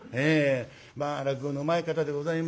まあ落語のうまい方でございました。